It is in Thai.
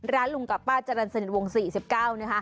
ลุงกับป้าจรรย์สนิทวง๔๙นะคะ